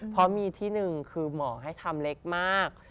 เพราะมีที่หนึ่งคือหมอให้ทำเล็กมาก